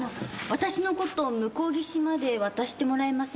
私のこと向こう岸まで渡してもらえませんか？